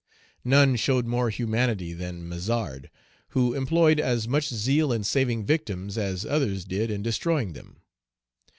None showed more humanity than Mazard, who employed as much zeal in saving victims as others did in destroying them.